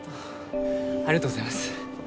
ありがとうございます。